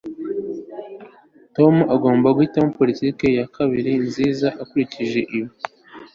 tom agomba guhitamo politiki ya kabiri nziza ukurikije ibihe